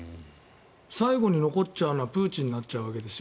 最後に残っちゃうのはプーチンになっちゃうわけです。